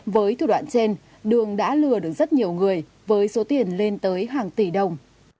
với thủ đoạn trên đường đã lừa được rất nhiều người với số tiền lên tới hàng tỷ đồng